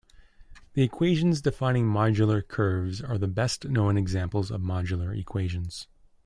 The equations defining modular curves are the best-known examples of modular equations.